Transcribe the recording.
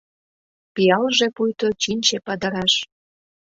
Пиалже пуйто чинче падыраш.